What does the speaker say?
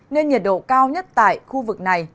nhiệt độ cao nhất tại khu vực này